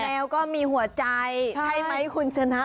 แมวก็มีหัวใจใช่ไหมคุณชนะ